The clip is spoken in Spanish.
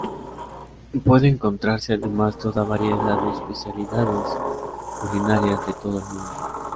Pueden encontrarse además toda variedad de especialidades culinarias de todo el mundo.